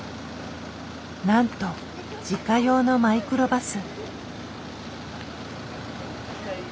なんと自家用のマイクロバス。